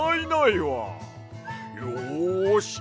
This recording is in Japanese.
よし！